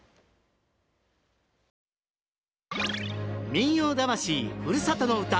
「民謡魂ふるさとの唄」。